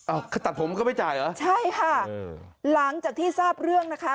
ตัดผมก็ไม่จ่ายเหรอใช่ค่ะหลังจากที่ทราบเรื่องนะคะ